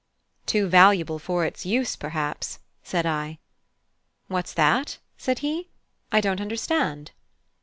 "Too valuable for its use, perhaps," said I. "What's that?" said he; "I don't understand."